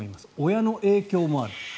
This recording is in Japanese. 親の影響もある。